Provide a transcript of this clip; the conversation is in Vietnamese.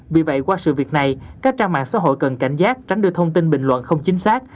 vì vậy qua sự việc này các trang mạng xã hội cần cảnh giác tránh đưa thông tin bình luận không chính xác